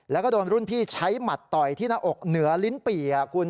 แล้วก็โดนรุ่นพี่ใช้หมัดต่อยที่หน้าอกเหนือลิ้นปี่คุณ